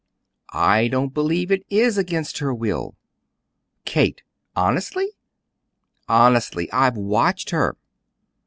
"I don't believe it is against her will." "Kate! Honestly?" "Honestly! I've watched her."